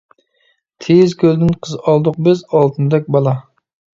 تېيىز كۆلدىن قىز ئالدۇق بىز، ئالتۇندەك بالا.